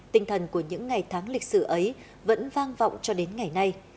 tinh thần của những ngày tháng lịch sử ấy vẫn vang vọng cho đến ngày nay